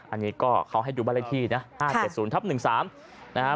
อันนี้ก็เขาให้ดูบรรยาทีนะ๕๗๐๑๓